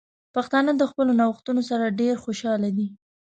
پښتانه د خپلو نوښتونو سره ډیر خوشحال دي.